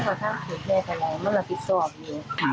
คนทำผิดแม่กับอะไรมันมันผิดสอบเลย